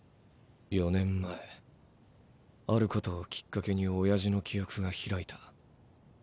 ４年前あることをきっかけに親父の記憶が開いた。